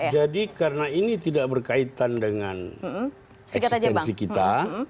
jadi karena ini tidak berkaitan dengan eksistensi kita